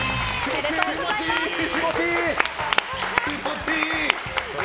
気持ちいい！